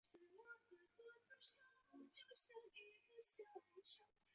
耶涯大坝则位在此镇。